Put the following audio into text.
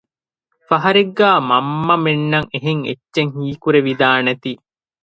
ފަހަރެއްގައި މަންމަމެންނަށް އެހެން އެއްޗެއް ހީ ކުރެވިދާނެތީ